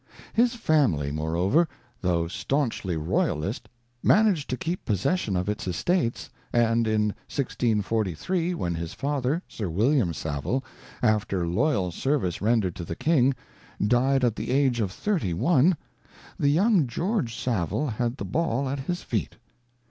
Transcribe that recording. His family, moreover, though staunchly Royalist, managed to keep possession of its estates, and in 1643, when his father, Sir William Savile, after loyal service rendered to the King, died at the age of thirty one, the young George Savile had the ball at his feet.